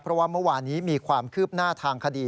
เพราะว่าเมื่อวานนี้มีความคืบหน้าทางคดี